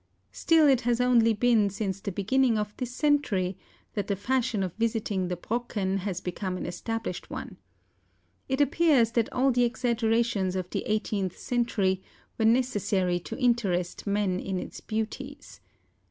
Still it has only been since the beginning of this century that the fashion of visiting the Brocken has become an established one. It appears that all the exaggerations of the eighteenth century were necessary to interest men in its beau¬ ties.